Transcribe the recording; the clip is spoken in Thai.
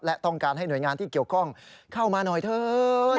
และต้องการให้หน่วยงานที่เกี่ยวข้องเข้ามาหน่อยเถิด